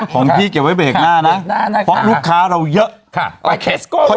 ของพี่เก็บไว้เบรกหน้านะเพราะลูกค้าเราเยอะค่ะ